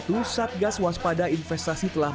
ketua satgas waspada investasi tonggam l tobing